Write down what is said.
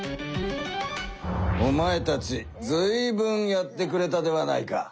おまえたちずいぶんやってくれたではないか。